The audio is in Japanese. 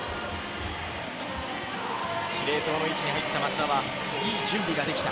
司令塔の位置に入った松田はいい準備ができた。